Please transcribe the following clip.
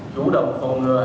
chủ động phòng lo